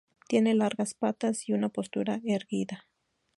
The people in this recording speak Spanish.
Tiene largas patas y una postura erguida.